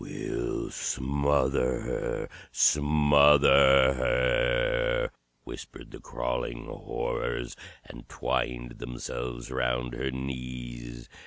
"We'll smother her smother her!" whispered the Crawling Horrors, and twined themselves round her knees.